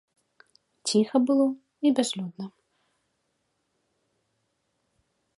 Ціха было і бязлюдна.